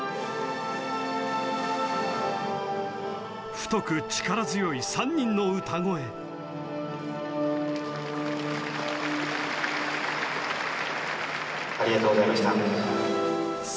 太く力強い３人の歌声・ありがとうございました